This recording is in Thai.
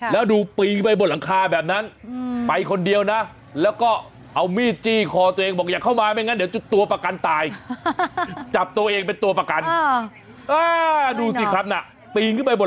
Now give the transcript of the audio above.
แล้วดูปีนขึ้นไปบนหลังคาแบบนั้นอือ